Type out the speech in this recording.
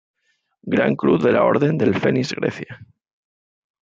Gran Cruz de la orden del Fenix Grecia.